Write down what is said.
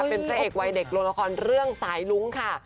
เป็นพระเอกวัยเด็กลงละครเรื่องสายลุ้งค่ะ